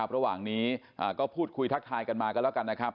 ระหว่างนี้ก็พูดคุยทักทายกันมากันแล้วกันนะครับ